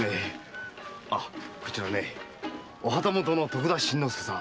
こちらねお旗本の徳田新之助さん。